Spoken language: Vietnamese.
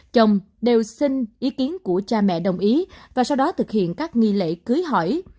chồng đều xin ý kiến của cha mẹ đồng ý và sau đó thực hiện các nghi lễ cưới hỏi